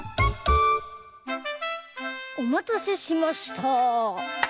おまたせしました。